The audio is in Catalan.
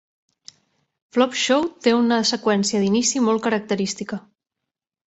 "Flop Show" té una seqüència d'inici molt característica.